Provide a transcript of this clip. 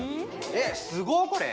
えっすごっこれ。